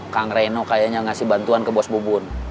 kang reno kayaknya ngasih bantuan ke bos bubun